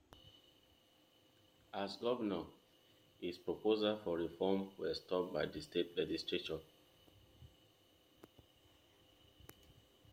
As Governor, his proposals for reform were stopped by the state legislature.